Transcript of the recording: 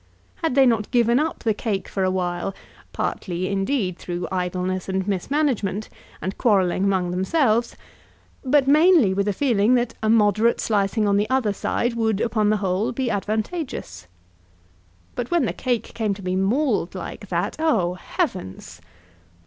Had not they given up the cake for a while, partly, indeed, through idleness and mismanagement, and quarrelling among themselves; but mainly with a feeling that a moderate slicing on the other side would, upon the whole, be advantageous? But when the cake came to be mauled like that oh, heavens!